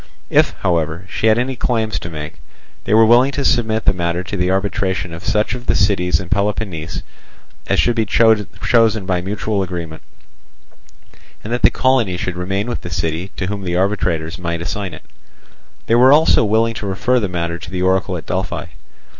If, however, she had any claims to make, they were willing to submit the matter to the arbitration of such of the cities in Peloponnese as should be chosen by mutual agreement, and that the colony should remain with the city to whom the arbitrators might assign it. They were also willing to refer the matter to the oracle at Delphi.